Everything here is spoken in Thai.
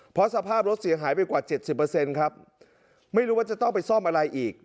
เพราะสภาพรถเสียหายไปกว่าเจ็ดสิบเปอร์เซ็นต์ครับไม่รู้ว่าจะต้องไปซ่อมอะไรอีก